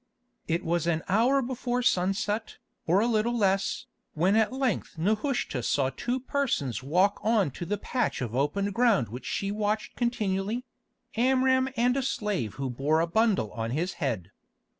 It was an hour before sunset, or a little less, when at length Nehushta saw two persons walk on to the patch of open ground which she watched continually—Amram and a slave who bore a bundle on his head.